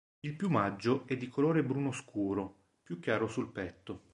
Il piumaggio è di colore bruno scuro, più chiaro sul petto.